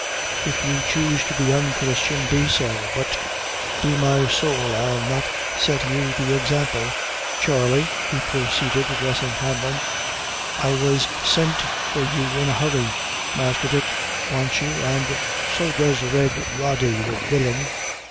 If you choose to be unchristian, be so; but, be my sowl, I'll not set you the example. Charley," he proceeded, addressing Hanlon, "I was sent for you in a hurry. Masther Dick wants you, and so does Red Rody the villain!